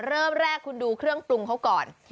เริ่มแรกคุณดูเครื่องปรุงเขาก่อน